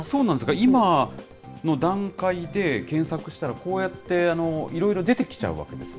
今の段階で検索したら、こうやっていろいろ出てきちゃうわけですね。